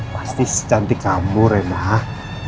warna putih om baik